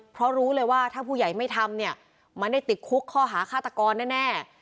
เพราะรู้เลยว่าถ้าผู้ใหญ่ไม่ทำเนี่ยมันได้ติดคุกข้อหาฆาตกรแน่